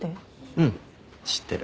うん知ってる。